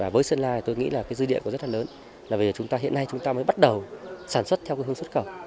với sơn la tôi nghĩ dự định rất lớn vì hiện nay chúng ta mới bắt đầu sản xuất theo hướng xuất khẩu